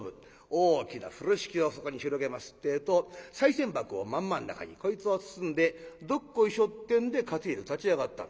大きな風呂敷をそこに広げますってぇとさい銭箱を真ん真ん中にこいつを包んでどっこいしょってんで担いで立ち上がった。